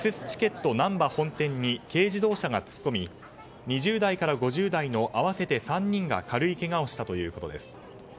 チケットなんば本店に軽自動車が突っ込み２０代から５０代の合わせて３人が軽いけがをしたということです。